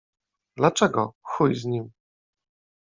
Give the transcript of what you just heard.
Dlaczego? Chuj z nim.